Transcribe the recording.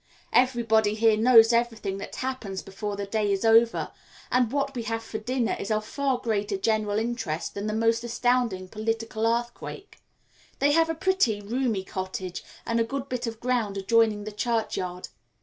Everybody here knows everything that happens before the day is over, and what we have for dinner is of far greater general interest than the most astounding political earthquake. They have a pretty, roomy cottage, and a good bit of ground adjoining the churchyard.